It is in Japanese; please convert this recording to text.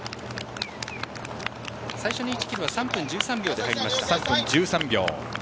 最初の１ｋｍは３分１３秒で入りました。